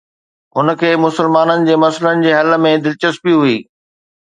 هن کي مسلمانن جي مسئلن جي حل ۾ دلچسپي هئي.